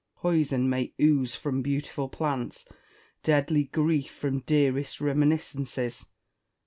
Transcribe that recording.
Poison may ooze from beautiful plants ; deadly grief fi'om dearest reminiscences.